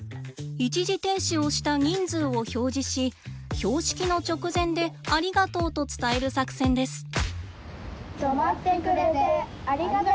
一時停止をした人数を表示し標識の直前で「ありがとう」と伝える作戦です。